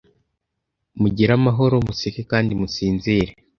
mugire amahoro museke kandi musinzire